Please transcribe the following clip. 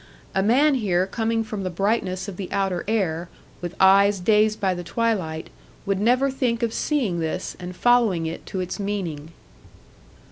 A man here coming from the brightness of the outer air, with eyes dazed by the twilight, would never think of seeing this and following it to its meaning.